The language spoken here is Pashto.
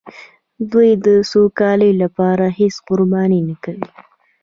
دوی د سوکالۍ لپاره هېڅ قرباني نه کوي.